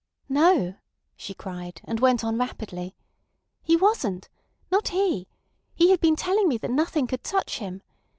"No," she cried, and went on rapidly. "He wasn't. Not he. He had been telling me that nothing could touch him.